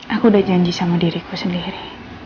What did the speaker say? aku udah janji sama diriku sendiri